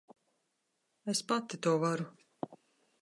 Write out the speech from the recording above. Es pati to varu.